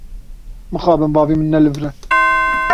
Mixabin bavê min ne li vir e.